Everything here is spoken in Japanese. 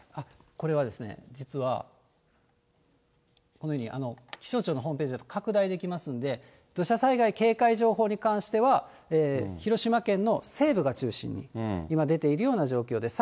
これはですね、実はこのように、気象庁のホームページで拡大できますんで、土砂災害警戒情報に関しましては、広島県の西部が中心、今出ているような状況です。